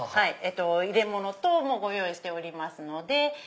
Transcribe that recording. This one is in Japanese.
入れ物等もご用意しておりますので。